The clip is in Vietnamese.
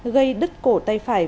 gây đứt cổ tay phải